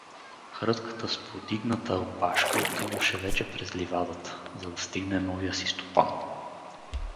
Хрътката с подигната опашка отиваше вече през ливадата, за да стигне новия си стопан.